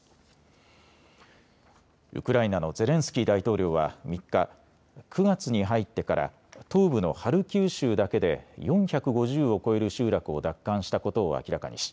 ウクライナのゼレンスキー大統領は３日、９月に入ってから東部のハルキウ州だけで４５０を超える集落を奪還したことを明らかにし